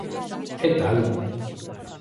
É tal.